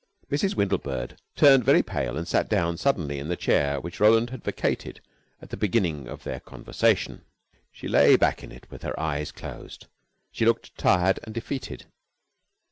Mrs. Windlebird turned very pale and sat down suddenly in the chair which Roland had vacated at the beginning of their conversation. She lay back in it with her eyes closed. She looked tired and defeated.